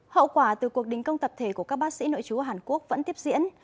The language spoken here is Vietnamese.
hậu quả từ cuộc đình công tập thể của các bác sĩ nội chú ở hàn quốc vẫn tiếp diễn